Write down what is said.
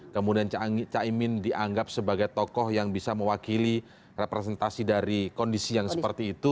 kemudian caimin dianggap sebagai tokoh yang bisa mewakili representasi dari kondisi yang seperti itu